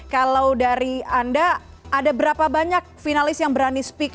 kalau dari anda ada berapa banyak finalis yang berani speak